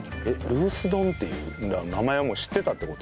ルース丼っていう名前はもう知ってたって事？